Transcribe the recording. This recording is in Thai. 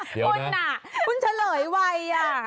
เดี๋ยวน่ะคุณเฉลยไวน่ะ